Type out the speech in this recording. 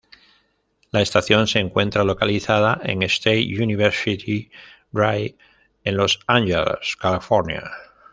La estación se encuentra localizada en State University Drive en Los Ángeles, California.